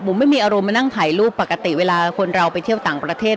ผมไม่มีอารมณ์มานั่งถ่ายรูปปกติเวลาคนเราไปเที่ยวต่างประเทศ